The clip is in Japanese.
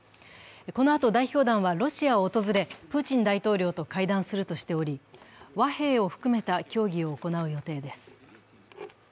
このあと、代表団はロシアを訪れプーチン大統領と会談するとしていおり、和平を含めた協議を行う予定です。